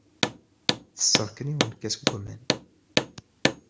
Tesseɣ kan yiwen n lkas n waman.